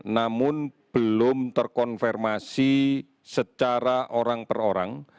namun belum terkonfirmasi secara orang per orang